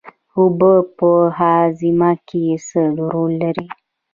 اوبه په هاضمه کې څه رول لري